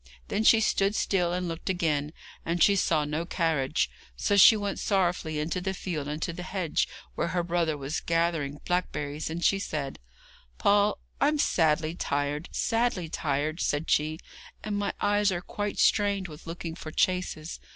Then she stood still and looked again, and she saw no carriage, so she went sorrowfully into the field and to the hedge where her brother was gathering blackberries, and she said: 'Paul, I'm sadly tired sadly tired!' said she, 'and my eyes are quite strained with looking for chaises.